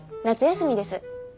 夏休みです。